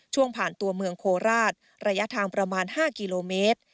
ผ่านตัวเมืองโคราชระยะทางประมาณ๕กิโลเมตร